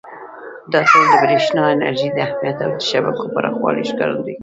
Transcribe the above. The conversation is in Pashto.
دا ټول د برېښنا انرژۍ د اهمیت او د شبکو پراخوالي ښکارندویي کوي.